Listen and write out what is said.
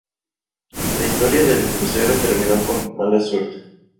La historia de el crucero terminó con mala suerte.